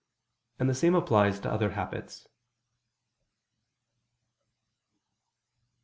And the same applies to other habits.